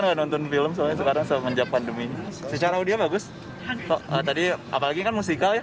nonton film soalnya sekarang semenjak pandemi secara audio bagus tadi apalagi kan musikal